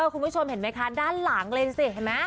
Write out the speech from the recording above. คุณผู้ชมเห็นไหมคะด้านหลังเลยสิเห็นไหม